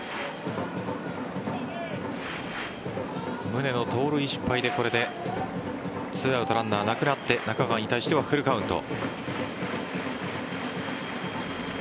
宗の盗塁失敗で２アウト、ランナーなくなって中川に対してはフルカウント。